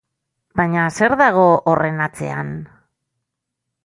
Baina zer dago horren atzean?